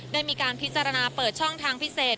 ได้มีการพิจารณาเปิดช่องทางพิเศษ